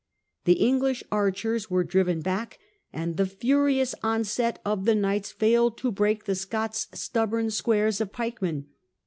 The English archers were driven back, and the furious onset of the knights failed to break the Scots' stubborn squares of pikemen.